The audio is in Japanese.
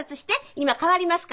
今代わりますから。